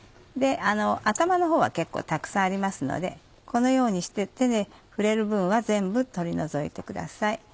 頭のほうは結構たくさんありますのでこのようにして手で触れる分は全部取り除いてください。